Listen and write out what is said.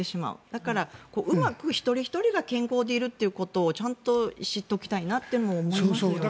だからうまく一人ひとりが健康でいるということをちゃんと知っておきたいなと思いますよね。